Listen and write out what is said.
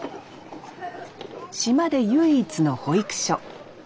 島で唯一の保育所。